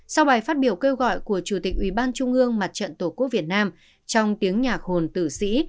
sau bài phát biểu kêu gọi của chủ tịch ủy ban trung ương mặt trận tổ quốc việt nam trong tiếng nhạc hồn tử sĩ